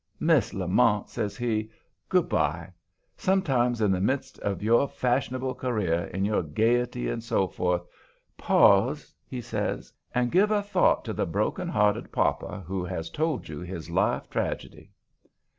"Miss Lamont," says he, "good by. Sometimes in the midst of your fashionable career, in your gayety and so forth, pause," he says, "and give a thought to the broken hearted pauper who has told you his life tragedy."